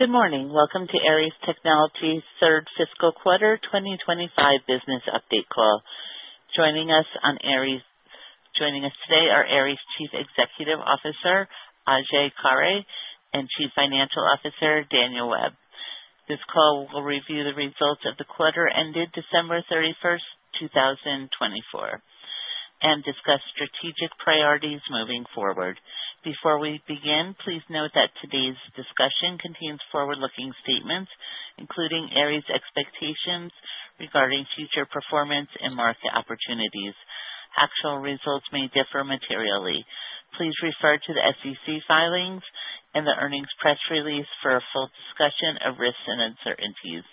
Good morning. Welcome to Aeries Technology's third fiscal quarter 2025 business update call. Joining us today are Aeries Chief Executive Officer Ajay Khare, and Chief Financial Officer Daniel Webb. This call will review the results of the quarter ended December 31st, 2024, and discuss strategic priorities moving forward. Before we begin, please note that today's discussion contains forward-looking statements, including Aeries' expectations regarding future performance and market opportunities. Actual results may differ materially. Please refer to the SEC filings and the earnings press release for a full discussion of risks and uncertainties.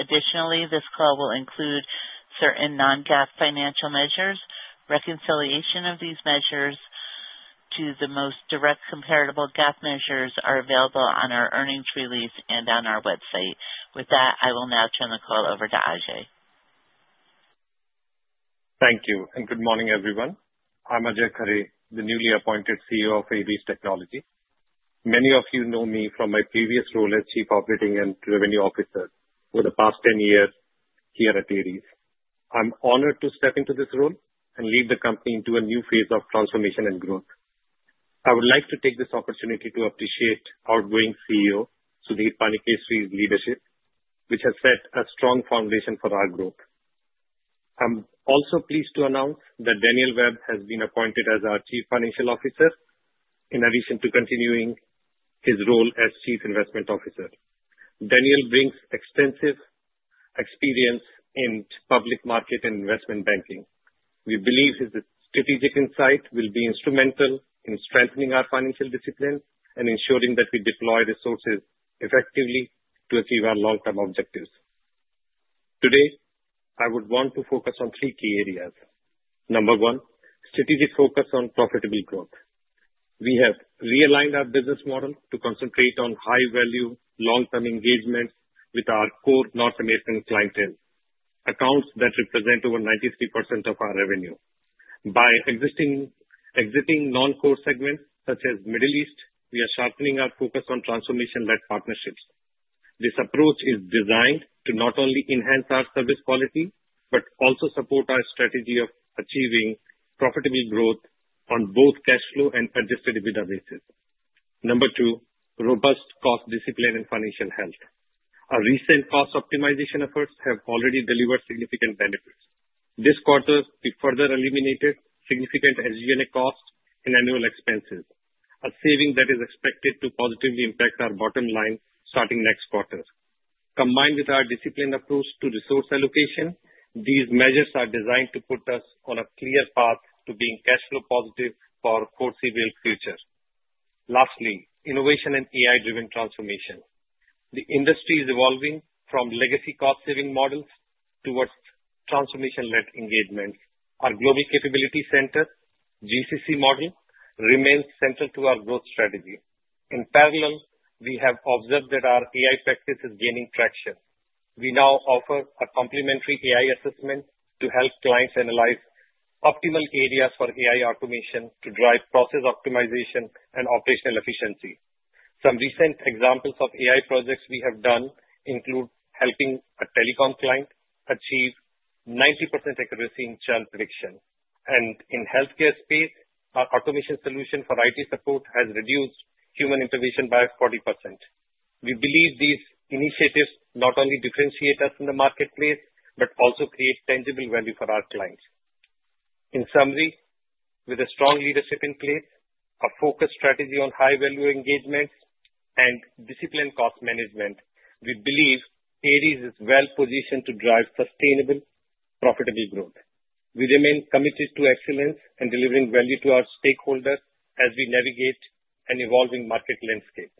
Additionally, this call will include certain non-GAAP financial measures. Reconciliation of these measures to the most direct comparable GAAP measures is available on our earnings release and on our website. With that, I will now turn the call over to Ajay. Thank you, and good morning, everyone. I'm Ajay Khare, the newly appointed CEO of Aeries Technology. Many of you know me from my previous role as Chief Operating and Revenue Officer for the past 10 years here at Aeries. I'm honored to step into this role and lead the company into a new phase of transformation and growth. I would like to take this opportunity to appreciate our outgoing CEO, Sudhir Panikassery's leadership, which has set a strong foundation for our growth. I'm also pleased to announce that Daniel Webb has been appointed as our Chief Financial Officer in addition to continuing his role as Chief Investment Officer. Daniel brings extensive experience in public market and investment banking. We believe his strategic insight will be instrumental in strengthening our financial discipline and ensuring that we deploy resources effectively to achieve our long-term objectives. Today, I would want to focus on three key areas. Number one, strategic focus on profitable growth. We have realigned our business model to concentrate on high-value, long-term engagements with our core North American clientele, accounts that represent over 93% of our revenue. By exiting non-core segments such as the Middle East, we are sharpening our focus on transformation-led partnerships. This approach is designed to not only enhance our service quality but also support our strategy of achieving profitable growth on both cash flow and Adjusted EBITDA basis. Number two, robust cost discipline and financial health. Our recent cost optimization efforts have already delivered significant benefits. This quarter, we further eliminated significant SG&A costs and annual expenses, a saving that is expected to positively impact our bottom line starting next quarter. Combined with our disciplined approach to resource allocation, these measures are designed to put us on a clear path to being cash flow positive for our foreseeable future. Lastly, innovation and AI-driven transformation. The industry is evolving from legacy cost-saving models towards transformation-led engagements. Our Global Capability Center, GCC model, remains central to our growth strategy. In parallel, we have observed that our AI practice is gaining traction. We now offer a complimentary AI assessment to help clients analyze optimal areas for AI automation to drive process optimization and operational efficiency. Some recent examples of AI projects we have done include helping a telecom client achieve 90% accuracy in churn prediction. In the healthcare space, our automation solution for IT support has reduced human intervention by 40%. We believe these initiatives not only differentiate us in the marketplace but also create tangible value for our clients. In summary, with a strong leadership in place, a focused strategy on high-value engagements, and disciplined cost management, we believe Aeries is well-positioned to drive sustainable, profitable growth. We remain committed to excellence and delivering value to our stakeholders as we navigate an evolving market landscape.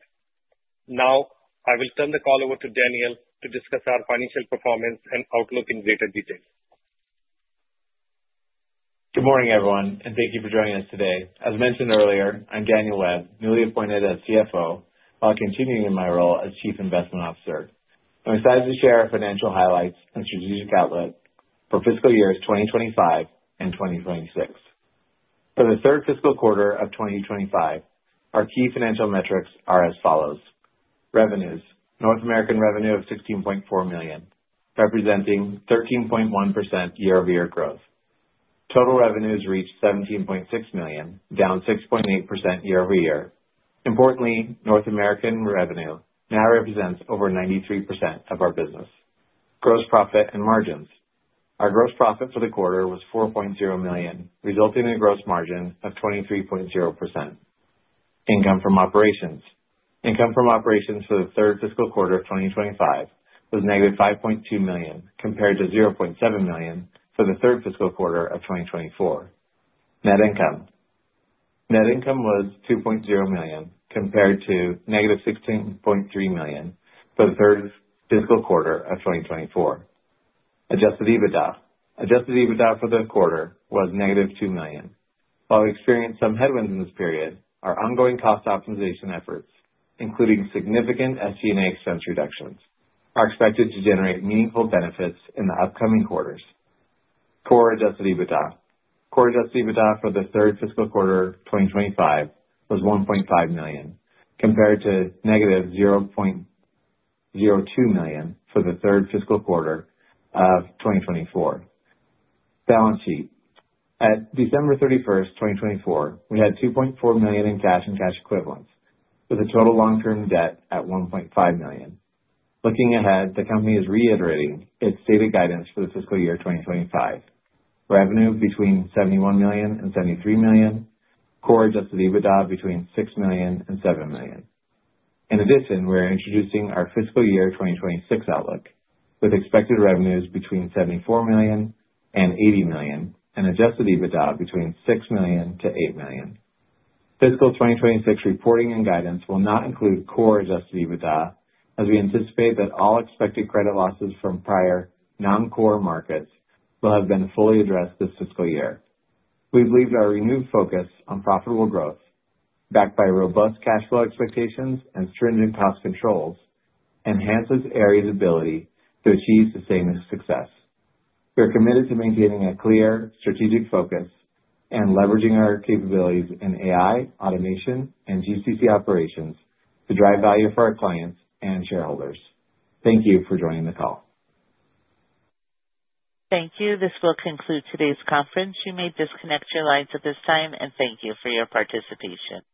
Now, I will turn the call over to Daniel to discuss our financial performance and outlook in greater detail. Good morning, everyone, and thank you for joining us today. As mentioned earlier, I'm Daniel Webb, newly appointed as CFO while continuing in my role as Chief Investment Officer. I'm excited to share our financial highlights and strategic outlook for fiscal years 2025 and 2026. For the third fiscal quarter of 2025, our key financial metrics are as follows: Revenues: North American revenue of $16.4 million, representing 13.1% year-over-year growth. Total revenues reached $17.6 million, down 6.8% year-over-year. Importantly, North American revenue now represents over 93% of our business. Gross profit and margins: Our gross profit for the quarter was $4.0 million, resulting in a gross margin of 23.0%. Income from operations: Income from operations for the third fiscal quarter of 2025 was negative $5.2 million, compared to $0.7 million for the third fiscal quarter of 2024. Net income: Net income was $2.0 million, compared to negative $16.3 million for the third fiscal quarter of 2024. Adjusted EBITDA: Adjusted EBITDA for the quarter was negative $2 million. While we experienced some headwinds in this period, our ongoing cost optimization efforts, including significant SG&A expense reductions, are expected to generate meaningful benefits in the upcoming quarters. Core Adjusted EBITDA: Core Adjusted EBITDA for the third fiscal quarter of 2025 was $1.5 million, compared to negative $0.02 million for the third fiscal quarter of 2024. Balance sheet: At December 31st, 2024, we had $2.4 million in cash and cash equivalents, with a total long-term debt at $1.5 million. Looking ahead, the company is reiterating its stated guidance for the fiscal year 2025: Revenue between $71 million and $73 million, core adjusted EBITDA between $6 million and $7 million. In addition, we are introducing our fiscal year 2026 outlook, with expected revenues between $74 million and $80 million, and adjusted EBITDA between $6 million-$8 million. Fiscal 2026 reporting and guidance will not include core adjusted EBITDA, as we anticipate that all expected credit losses from prior non-core markets will have been fully addressed this fiscal year. We believe our renewed focus on profitable growth, backed by robust cash flow expectations and stringent cost controls, enhances Aeries ability to achieve sustainable success. We are committed to maintaining a clear strategic focus and leveraging our capabilities in AI, automation, and GCC operations to drive value for our clients and shareholders. Thank you for joining the call. Thank you. This will conclude today's conference. You may disconnect your lines at this time, and thank you for your participation.